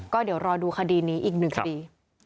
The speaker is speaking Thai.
ก็เดี๋ยวรอดูคดีนี้อีกหนึ่งคดี